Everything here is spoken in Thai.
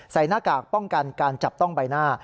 หน้ากากป้องกันการจับต้องใบหน้า